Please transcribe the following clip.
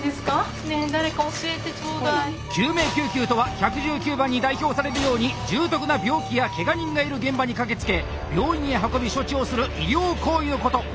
救命救急とは１１９番に代表されるように重篤な病気やけが人がいる現場に駆けつけ病院へ運び処置をする医療行為のこと！